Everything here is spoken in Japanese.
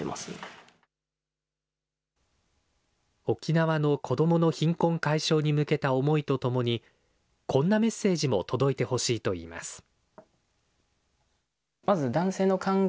沖縄の子どもの貧困解消に向けた思いと共に、こんなメッセージも届いてほしいといいます。